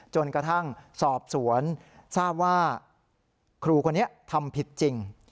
จนกระทั่งสอบสวนทราบว่าครูคนนี้ทำผิดจริง